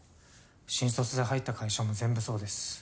新卒で入った会社も全部そうです。